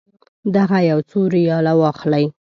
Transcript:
دغه یو څو ریاله واخلئ.